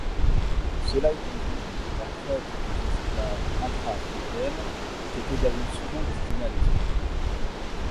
Cela étant dit, la traite des esclaves intra-africaine était également souvent destinée à l'export.